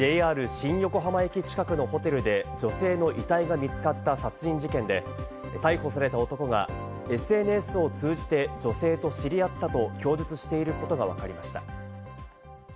新横浜駅近くのホテルで女性の遺体が見つかった殺人事件で、逮捕された男がＳＮＳを通じて、女性と知り合ったと供述していることがわかりました。